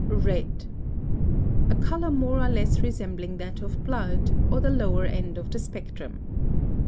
RED. A color more or less resembling that of blood, or the lower end of the spectrum.